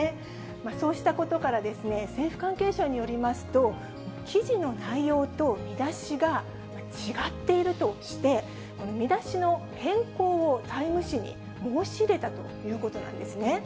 そうしたことから、政府関係者によりますと、記事の内容と見出しが違っているとして、見出しの変更をタイム誌に申し入れたということなんですね。